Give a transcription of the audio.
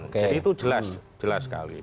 jadi itu jelas sekali